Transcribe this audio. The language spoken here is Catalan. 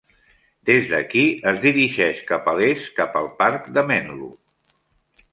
Des d'aquí, es dirigeix cap a l'est cap al parc de Menlo.